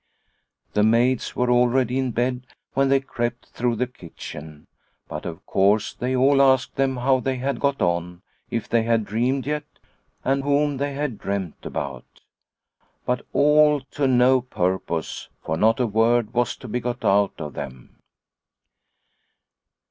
The maids were already in bed when they crept through the kitchen, but, of course, they all asked them how they had got on, if they had dreamed yet, and whom they had dreamt about. But all to no purpose, for not a word was to be got out of them.